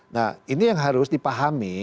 nah ini yang harus dipahami